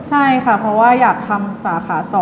ใช่ค่ะเพราะว่าอยากทำสาขา๒